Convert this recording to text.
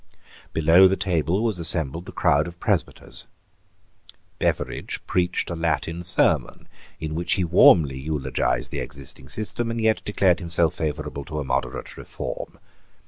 Below the table was assembled the crowd of presbyters. Beveridge preached a Latin sermon, in which he warmly eulogized the existing system, and yet declared himself favourable to a moderate reform.